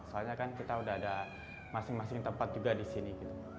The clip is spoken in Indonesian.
soalnya kan kita udah ada masing masing tempat juga di sini